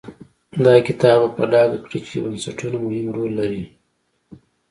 دا کتاب به په ډاګه کړي چې بنسټونه مهم رول لري.